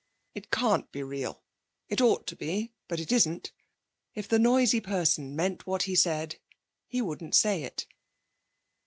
It can't be real. It ought to be but it isn't. If the noisy person meant what he said, he wouldn't say it.'